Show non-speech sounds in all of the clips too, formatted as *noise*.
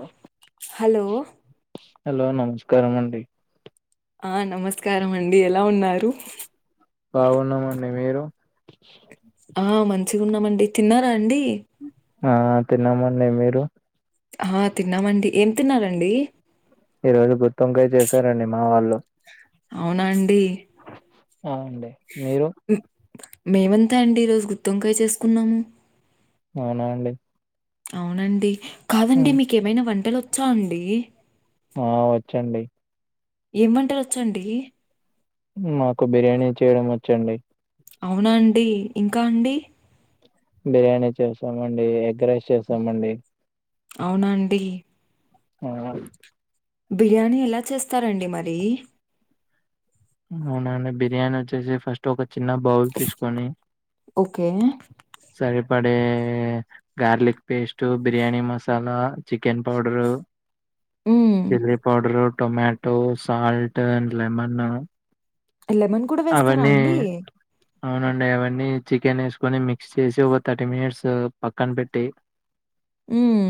ఆ hello hello నమస్కారమండి ఆ నమస్కారమండి ఎలా ఉన్నారు బాగున్నామండి మీరు ఆ మంచిగున్నమండి తిన్నారా అండి ఆ తిన్నామండి మీరు ఆ తిన్నామండి ఏం తిన్నారండి ఈ రోజు గుత్తొంకాయ్ చేశారండి మా వాళ్ళు అవునా అండి అవునండీ మీరు మేమంతే అండి ఈరోజు గుత్తోంకాయ చేసుకున్నాము అవునా అండి అవునండి కాదండి మీకేమైనా వంటలొచ్చా అండి ఆ వచ్చండి ఏం వంటలోచ్చండి మాకు బిర్యానీ చేయడం వచ్చండి అవునా అండి ఇంకా అండి బిర్యానీ చేస్తామండి ఎగ్ రైస్ చేస్తామండి అవునాండి మా వాలు బిర్యానీ ఎలా చేస్తారండి మరి అవునండి బిర్యానీ వచ్చేసి ఫస్ట్ ఒక చిన్న బౌల్ తీసుకొని ఓకే సరిపడే garlic paste biryani masala chicken powder హ్మ్. Chilli powder tomato salt lemon lemon కూడా వేస్తారా అవన్నీ అండి అవునండి అవన్నీ చికెన్ ఏసుకొని మిక్స్ చేసి ఒక థర్టీ మినిట్స్ పక్కన పెట్టి హ్మ్.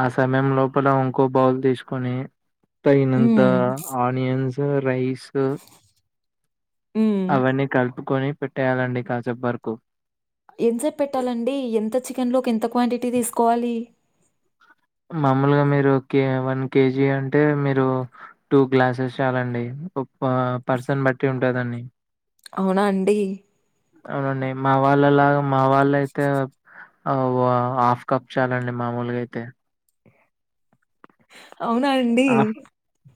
ఆ సమయం లోపల ఇంకో బౌల్ తీసుకొని తగినంత హ్మ్. ఆనియన్స్ రైస్ హ్మ్. అవన్నీ కలుపుకొని పెట్టేయాలండి కాసేపు వరకు ఎంతసేపు పెట్టాలండి ఎంత చికెన్లోకి ఎంత క్వాంటిటీ తీసుకోవాలి మామూలుగా మీరు కే వన్ కేజీ అంటే మీరు టూ గ్లాసెస్ చాలండి ఒక్క పర్సన్ బట్టి ఉంటాదండి అవునాండి అవునండి మా వాళ్ళలాగా మా వాళ్ళయితే అవ్వా హాఫ్ కప్ చాలండి మామూలుగా అయితే అవునాండి హాఫ్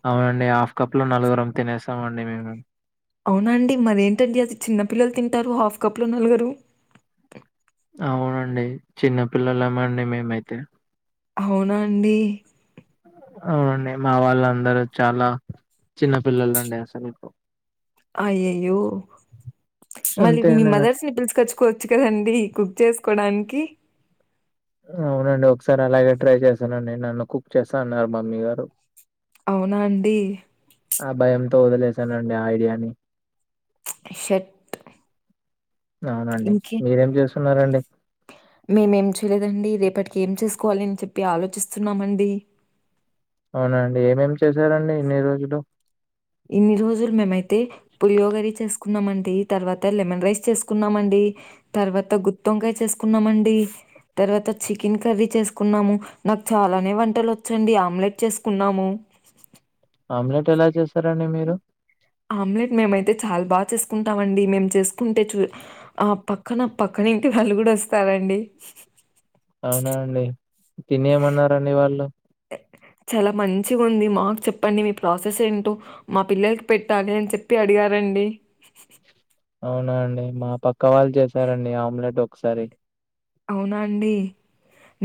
అవునండి హాఫ్ కప్ లో నలుగురమ్ తినేసామండి మేము అవునండి మరేంటండి అది చిన్న పిల్లలు తింటారు హాఫ్ కప్లో నలుగరు అవునండి చిన్న పిల్లలమండి మేమైతే అవునాండి అవునండి మా వాళ్ళందరు చాలా చిన్నపిల్లలండి అసలు కు అయ్యయ్యో మళ్ళీ అంతే మీ అండి నాకు మదర్స్ ని పిలిచుకచ్చు కోచ్చు కదండి కుక్ చేసుకోడానికి అవునండి ఒకసారి అలాగే ట్రై చేశానండి నన్ను కుక్ చేస్తా అన్నారు మమ్మీ గారు అవునాండి ఆ భయంతో వదిలేసానండి ఆ ఐడియాని షట్ అవునండి ఇంకే మీరేం చేస్తున్నరండి మేమేం చేయలేదండి రేపటికి ఏం చేసుకోవాలి అని చెప్పి ఆలోచిస్తున్నామండి అవునాండి ఏమేమి చేశారండి ఇన్ని రోజులు ఇన్ని రోజులు మేమైతే పులియోగారి చేసుకున్నామండి తర్వాత లెమన్ రైస్ చేసుకున్నామండి తర్వాత గుత్తి వంకాయి చేసుకున్నామండి తర్వాత చికెన్ కర్రీ చేసుకున్నాము నాకు చాలానే వంటలు వచ్చండి ఆమ్లెట్ చేసుకున్నాము ఆమ్లెట్ ఎలా చేసారండి మీరు ఆమ్లెట్ మేమైతే చాలా బాగా చేసుకుంటాంమండి మేము చేసుకుంటే చూ ఆ పక్కన పక్కనింటి వాళ్ళు కూడా వస్తారండి అవునాండి తిని ఏమన్నారండి వాళ్ళు చాలా మంచిగ ఉంది మాకు చెప్పండి మీ ప్రాసెస్ ఏంటో మా పిల్లలకి పెట్టాలి అని చెప్పి అడిగారండి అవునాండి మా పక్క వాళ్ళు చేసారండి ఆమ్లెట్ ఒకసారి అవునా అండి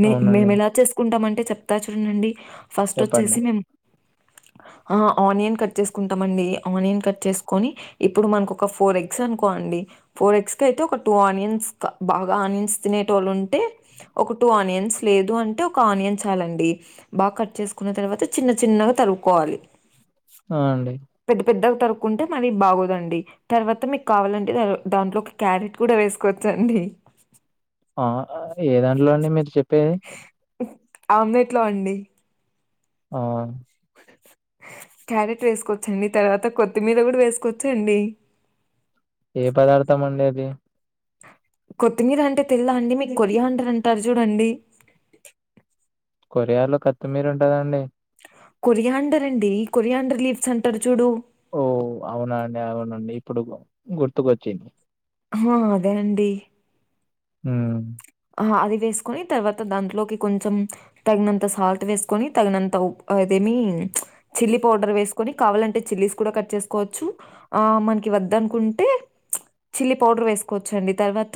నే అవునండి. మేమ్ ఎలా చేసుకుంటామంటే చెప్తా చూనండి ఫస్ట్ చెప్పండి. వచ్చేసి మేం అ ఆనియన్ కట్ చేసుకుంటామండి ఆనియన్ కట్ చేసుకొని ఇప్పుడు మనకు ఒక ఫోర్ ఎగ్స్ అనుకోండి ఫోర్ ఎగ్స్ కయితే ఒక టూ ఆనియన్స్ బాగా ఆనియన్స్ తినేటోళ్లు ఉంటే ఒక టూ ఆనియన్స్ లేదు అంటే ఒక ఆనియన్ చాలండి బా కట్ చేసుకున్న తర్వాత చిన్న చిన్నగా తరుకోవాలి ఆ అండి పెద్ద పెద్ద గా తరుక్కుంటే మరీ బాగోదండి తర్వాత మీకు కావాలంటే దాంట్లో కి క్యారెట్ కూడ వేసుకోచ్చండి ఆ ఏ దాంట్లో అండి మీరు చెప్పేది ఆమ్లెట్లో అండి ఆ *inaudible* క్యారెట్ వేసుకోవచ్చండి తరువాత కోత్తిమీర గుడ వేసుకోవచ్చండి ఏ పదార్థం అండి అది కొత్తిమీర అంటే తెల్ద అండి మీరు కొరియాండర్ అంటారు చూడండి కొరియా లో కత్తిమీర్ ఉంటదండి కొరియాండర్ అండి కొరియాండర్ లీవ్స్ అంటారు చూడు ఓ అవునా అండి అవునండి ఇప్పుడు గుర్తుకొచ్చింది ఆ అదేనండి ఉ ఆ అది వేసుకొని తర్వాత దాంట్లోకి కొంచెం తగినంత సాల్ట్ వేసుకొని తగినంత ఉ అదేమి చిల్లీ పౌడర్ వేసుకొని కావలంటే చిల్లీస్ కూడ కట్ చేసుకోచ్చు ఆ మన్కి వద్దనుకుంటే చిల్లీ పౌడర్ వేసుకోవచ్చు అండి తర్వాత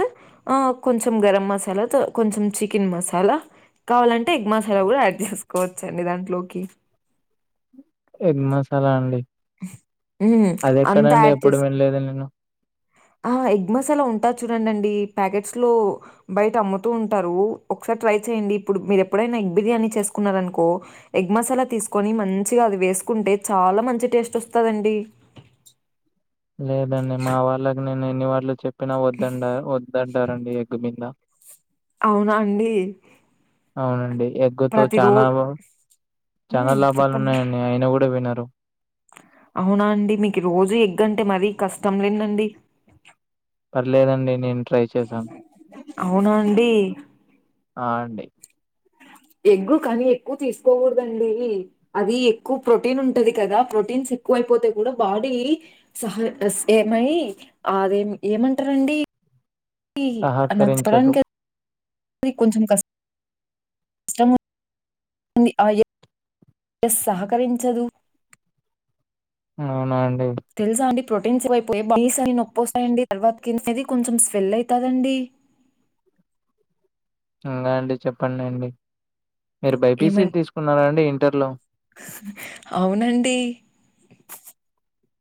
ఆ కొంచెం గరం మస్ *unintelligible* కొంచెం చికెన్ మసాల కావాలంటే ఎగ్ మసాల గుడ యాడ్ చేసుకోచ్చండి దాంట్లోకి ఎగ్ మసాల అండి హ్మ్. అది అంతా ఎక్కడండి యాడ్ ఎప్పుడు చేసి వినలేదు నేను ఆ ఎగ్ మసాల ఉంటాది చూడండి ప్యాకెట్స్ లో బయట అమ్ముతూ ఉంటారు ఒకసారి ట్రై చేయండి ఇప్పుడు మీరు ఎప్పుడైనా ఎగ్ బిర్యానీ చేసుకున్నారనుకో ఎగ్ మసాల తీసుకొని మంచిగా అది వేసుకుంటే చాలా మంచి టేస్ట్ వస్తదండి లేదండి మా వాళ్ళకి నేను ఎన్ని వాళ్లు చెప్పిన వద్దంట వద్దంటారండి ఎగ్ *unintelligible* అవునా అండి అవునండి ఎగ్గుతో ప్రతిరో చన చాన హ్మ్. లాభాలు చెప్పండి. ఉన్నాయండి అయినా కూడా వినరు అవున అండి మీకు రోజు ఎగ్గంటే మరీ కష్టం లేదండి పర్లేదండి నేను ట్రై చేశాను అవునా అండి ఆ అండి ఎగ్గు కానీ ఎక్కువ తీసుకోకూడదండి అది ఎక్కువ ప్రోటీన్ ఉంటది కదా ప్రోటీన్స్ ఎక్కువ అయిపోతే కూడ బాడీ సహ ఏమయి అదేం ఏమంటారండి సహకరించదు నాకు *unintelligible* కొంచెం కష్ ఇష్టమో *unintelligible* ఎ సహకరించదు అవున అండి తెలుసా అండి ప్రోటీన్స్స్ అ నొప్పి వస్తాయండి తర్వాత కింద అనేది కొంచెం స్వెల్ అయితదండి ఇంకా అండి చెప్పండి అండి మీరు బైపీసీ ఏమన్ తీసుకున్నార అండి ఇంటర్లో అవునండి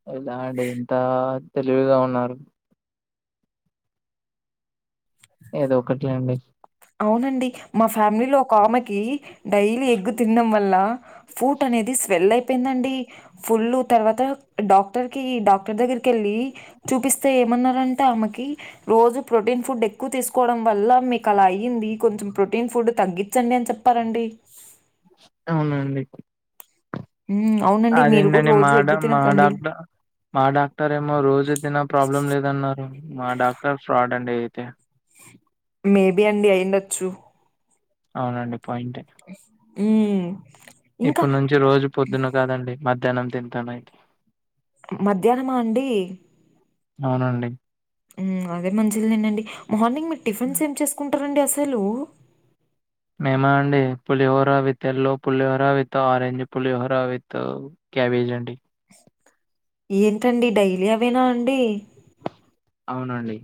*unintelligible* అండి ఇంత తెలివిగా ఉన్నారు ఏదో ఒకటి లెండి అవునండి మా ఫ్యామిలీలో ఒక ఆమెకి డైలీ ఎగ్ తినడం వల్ల ఫూట్ అనేది స్వెల్ అయిపోయిందండి ఫుల్తర్వాత డాక్టర్ కి డాక్టర్ దగ్గరిక వెళ్ళి చూపిస్తే ఏమన్నరంటే ఆమెకి రోజు ప్రోటీన్ ఫుడ్ ఎక్కువ తీసుకోవడం వల్ల మీకలా అయింది ది కొంచెం ప్రొటీన్ ఫుడ్ తగ్గించండి అని చెప్పారండి అవునా అండి ఉమ్ అవును అదేంటని మా మాట మా డాక్టర్ ఏమో రోజు తిన ప్రాబ్లం లేదన్నారు మా డాక్టర్ ఫ్రాడ్ అండి అయితే మేబి అండి అయిండొచ్చు అవునండి పాయింటే ఉమ్ ఇప్పుడు నుంచి రోజు పొద్దును కాదండి మధ్యాహ్నం తింటనయి మధ్యాహ్నమా అండి అవునండి ఉమ్ అదే మంచిది నేనండి మార్నింగ్ మీరు టిఫిన్స్ ఏం చేసుకుంటరండి అసలు మేమ అండి pulihora with yellow pulihora with orange pulihora with cabbage అండి ఏంటండి డైలీ అవేనా అండి అవునండి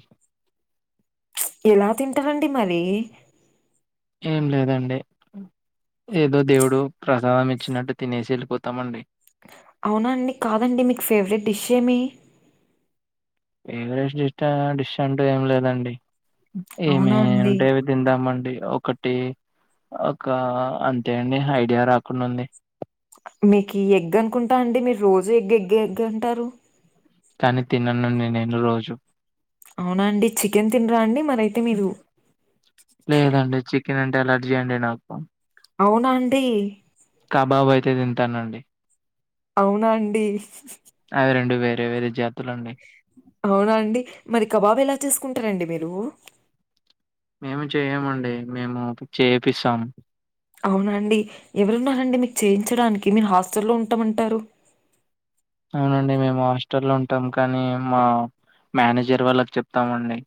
ఎలా తింటరండి మరి ఏం లేదండి ఏదో దేవుడు ప్రసాదం ఇచ్చినట్టు తినేసి వెళ్ళిపోతామండి అవునా అండి కాదండి మీక్ ఫేవరెట్ డిష్ ఏమి ఫవరేట్ డిష్ డిష్ అంటె ఏం లేదండి అవునా అండి? ఏమింటే తిందామ అండి ఒకటి ఒక అంతే అండి ఐడియా రాకుండా ఉంది మీకు ఎగ్ అనుకుంట అండి మీరు రోజు ఎగ్గ ఎగ్ ఎగ్ అంటారు కానీ తిననుండి నేను రోజు అవునా అండి చికెన్ తినరా అండి మరయితే మీరు లేదండి చికెన్ అంటే ఎలర్జీ అండి నాకు అవున అండి కాబాబయితే తింటానండి అవునా అండి అవి రెండు వేరే వేరే జతులు అండి అవునా అండి మరి కబాబ్ ఎలా చేసుకుంటారండి మీరు మేము చేయమండి మేము చేపిస్తాం అవునండి ఎవరున్నరండి మీకు చేయించడానికి మీరు హాస్టల్లో ఉంటమంటారు అవునండి మేము హాస్టల్లో ఉంటాం కానీ మా మేనేజర్ వాళ్ళకి చెప్తామండి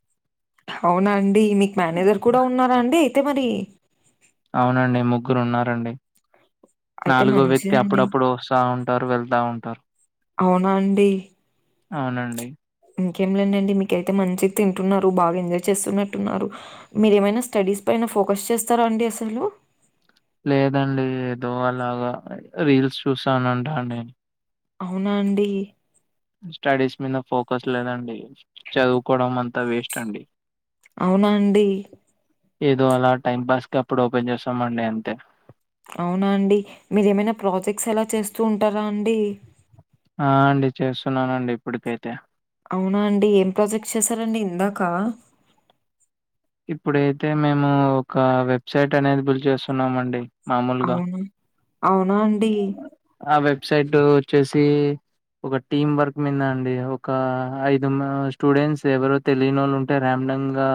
అవునాండి మీకు మేనేజర్ కూడా ఉన్నారా అండి అయితే మరి అవునండి ముగ్గురు ఉన్నరండి అయితే నాలుగో వ్యక్తి మంచిదండి. అప్పుడప్పుడు వస్తా ఉంటరు వెళ్తా ఉంటరు అవునా అండి అవునండి ఇంకేం లేదండి మీకయితే మంచి తింటున్నరు బాగా ఎంజాయ్ చేస్తున్నట్టున్నారు మీరేమైనా స్టడీస్ పైన ఫోకస్ చేస్తరా అండి అసలు లేదండి ఏదో అలాగా రీల్స్ చూసాన ఉంటాండి అవునా అండి స్టడీస్ మీద ఫోకస్ లేదండి చదువుకోవడం అంతా వేస్ట్ అండి అవునండి ఏదో అలా టైం పాస్ క అప్పుడు ఓపెన్ చేస్తాంమండి అంతే అవునా అండి మీరు ఏమైనా ప్రాజెక్ట్స్ ఎలా చేస్తూ ఉంటారా అండి ఆ అండి చేస్తున్నానండి ఇప్పటికైతే అవునా అండి ఏం ప్రాజెక్ట్ చేశారండి ఇందాక ఇప్పుడైతే మేము ఒక వెబ్సైట్ అనేది బుల్ చేస్తున్నామ అండి అవునా అవును అండి ఆ వెబ్సైట్ వచ్చేసి ఒక టీం వర్క్ మీద అండి ఒక ఐదు స్టూడెంట్స్ ఎవరు తెలియని వాళ్ళు ఉంటే రార్మ్ండ గా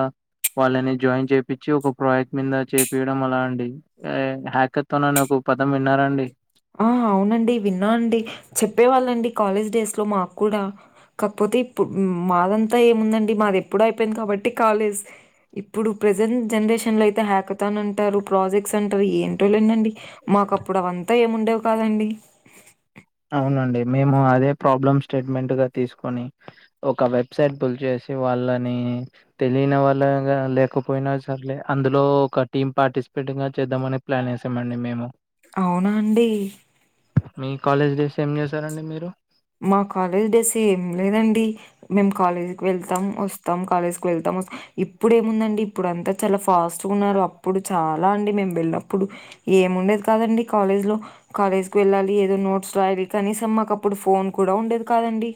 వాళ్ళని జాయిన్ చేపించి ఒక ప్రాజెక్ట్ మీద చేపియడం అలా అండి హ్యాక్ ఎత్తానని ఒక పదం విన్నారండి ఆ అవునండి విన్నా అండి చెప్పేవాళ్ళండి కాలేజ్ డేస్ లో మా కూడా కాకపోతే ఇప్పుడు మాదంతా ఏముందండి మాది ఎప్పుడు అయిపోయింది కాబట్టి కాలేజ్ ఇప్పుడు ప్రెజెంట్ జనరేషన్ లో అయితే హ్యాకతాన్ అంటారు ప్రాజెక్ట్స్ అంటారు ఏంటో లేనండి మాకు అప్పుడు అవంతా ఏముండేవి కాదండి అవునండి మేము అదే ప్రాబ్లం స్టేట్మెంట్ గా తీసుకొని ఒక వెబ్సైట్ పుల్చ చేసి వాళ్ళని తెలియని వాళ్ళ లేకపోయినా సరలే అందులో ఒక టీమ్ పార్టిసిపేట్ గా చేద్దామని ప్లాన్ వేసామండి మేము అవునా అండి మీ కాలేజ్ డేస్ ఏం చేశారండి మీరు మా కాలేజ్ డ్రెస్ ఏం లేదండి మేము కాలేజీకి వెళ్తాం వస్తాం కాలేజ్కి వెళ్తాం వస్తాం ఇప్పుడు ఏముందండి ఇప్పుడు అంతా చాలా ఫాస్ట్గా ఉన్నారు అప్పుడు చాలా అండి మేము వెళ్ళినప్పుడు ఏముండేది కాదండి కాలేజ్ లో కాలేజ్ కు వెళ్ళాలి ఏదో నోట్స్ రాయాలి కనీసం మాకు అప్పుడు ఫోన్ కూడా ఉండేది కాదండి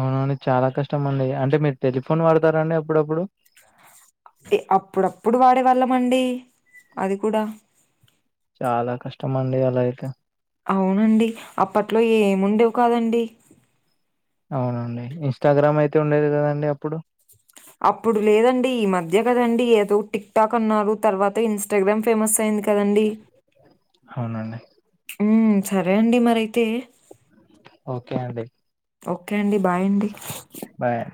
అవునండి చాలా కష్టం అండి అంటే మీరు టెలిఫోన్ వాడతారండి అప్పుడప్పుడు అప్పుడప్పుడు వాడేవాళ్ళం అండి అది కూడా చాలా కష్టం అండి అలాయితే అవునండి అప్పట్లో ఏముండేవు కాదండి అవునండి ఇన్స్టాగ్రామ్ అయితే ఉండేది కదండి అప్పుడు అప్పుడు లేదండి ఈ మధ్యే కదండి ఏదో టిక్ టాక్ అన్నారు తర్వాత ఇన్స్టాగ్రామ్ ఫేమస్ అయింది కదండి అవునండి ఉ సరే అండి మరైయితే ఓకే అండి ఓకే అండి బాయ్ అండి బాయ్